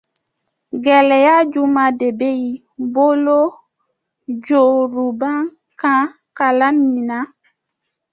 Gɛlɛya jumɛn de bɛ i bolo yorubakan kalanni na?